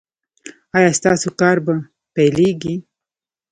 ایا ستاسو کار به پیلیږي؟